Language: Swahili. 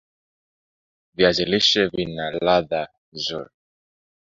viazi lishe vina ladha nzuri